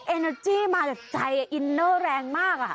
เอเนอร์จี้มาจากใจอินเนอร์แรงมาก